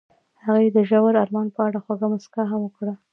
هغې د ژور آرمان په اړه خوږه موسکا هم وکړه.